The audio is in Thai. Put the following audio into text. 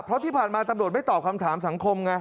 เพราะที่ผ่านมาตำรวจไม่ตอบคำถามสังคมไง